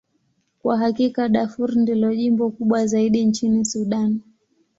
Kwa hakika, Darfur ndilo jimbo kubwa zaidi nchini Sudan.